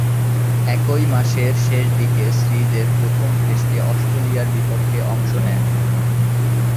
একই মাসের শেষদিকে সিরিজের প্রথম টেস্টে অস্ট্রেলিয়ার বিপক্ষে অংশ নেন।